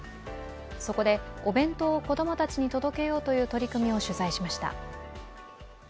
そこでお弁当を子供たちに届けようという取り組みを取材しました。